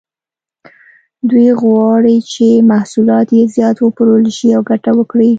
دوی غواړي چې محصولات یې زیات وپلورل شي او ګټه وکړي.